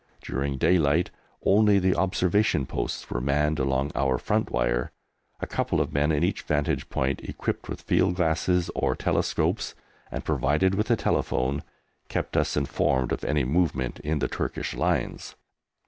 During daylight only the Observation Posts were manned along our front wire. A couple of men in each vantage point, equipped with field glasses or telescopes, and provided with a telephone, kept us informed of any movement in the Turkish lines.